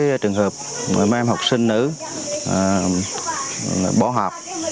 xem ra một số trường hợp mấy em học sinh nữ bỏ học